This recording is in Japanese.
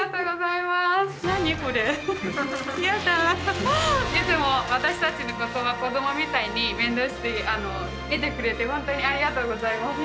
いつも私たちのことを子どもみたいに面倒を見てくれて本当にありがとうございます。